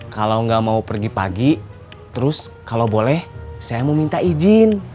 kalau nggak mau pergi pagi terus kalau boleh saya mau minta izin